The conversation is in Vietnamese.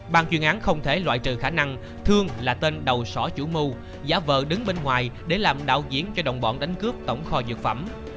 bàn chuyên án không thể loại trừ khả năng thương là tên đầu sỏ chủ mưu giả vợ đứng bên ngoài để làm đạo diễn cho đồng bọn đánh cướp tổng kho dược phẩm